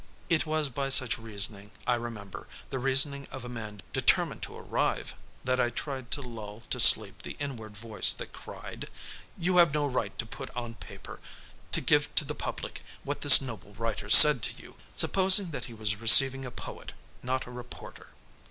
It was by such reasoning, I remember, the reasoning of a man determined to arrive that I tried to lull to sleep the inward voice that cried, "You have no right to put on paper, to give to the public what this noble writer said to you, supposing that he was receiving a poet, not a reporter."